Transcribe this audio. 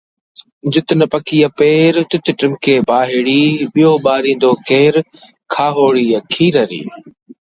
The brothers gradually took over making company policies.